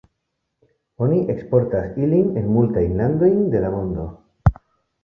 Oni eksportas ilin en multajn landojn de la mondo.